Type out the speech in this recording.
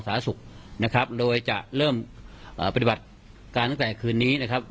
สาธารณสุขนะครับโดยจะเริ่มเอ่อปฏิบัติการตั้งแต่คืนนี้นะครับ